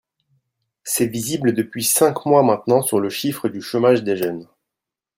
C’est visible depuis cinq mois maintenant sur le chiffre du chômage des jeunes.